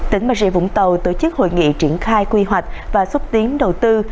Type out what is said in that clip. tỉnh bà rịa vũng tàu tổ chức hội nghị triển khai quy hoạch và xúc tiến đầu tư